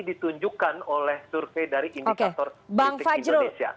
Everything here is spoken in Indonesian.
ini ditunjukkan oleh survei dari indikator kritik indonesia